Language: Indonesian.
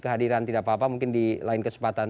kehadiran tidak apa apa mungkin di lain kesempatan